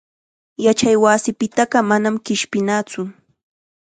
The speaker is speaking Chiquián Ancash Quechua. Yachaywasipitaqa manam qishpinatsu.